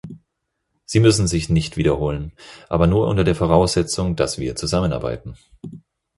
Sie müssen sich nicht wiederholen, aber nur unter der Voraussetzung, dass wir zusammenarbeiten.